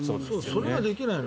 それができないの。